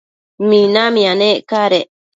minamia nec cadec